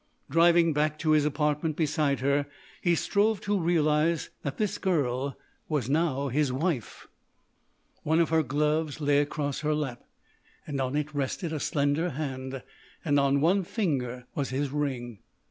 Driving back to his apartment beside her, he strove to realise that this girl was his wife. One of her gloves lay across her lap, and on it rested a slender hand. And on one finger was his ring.